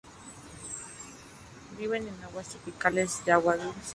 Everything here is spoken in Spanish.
Viven en aguas tropicales de agua dulce.